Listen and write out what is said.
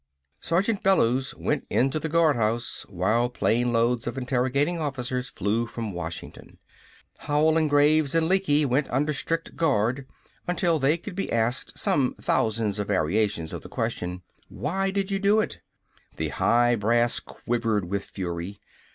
Sergeant Bellews went into the guardhouse while plane loads of interrogating officers flew from Washington. Howell and Graves and Lecky went under strict guard until they could be asked some thousands of variations of the question, "Why did you do it?" The high brass quivered with fury.